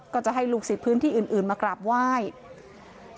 ก็จะให้ลูกศิษย์พื้นที่อื่นมากราบไหว้